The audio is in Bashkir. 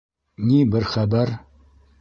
Ни бер хәбәр